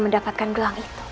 mendapatkan doang itu